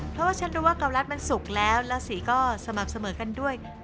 เพราะว่าฉันรู้ว่าเการัฐมันสุกแล้วแล้วสีก็สม่ำเสมอกันด้วย